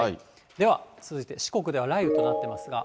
では続いて、四国では雷雨となっていますが。